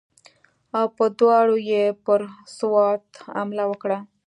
او په دواړو یې پر سوات حمله وکړه.